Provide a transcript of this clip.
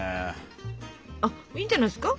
あいいんじゃないですか？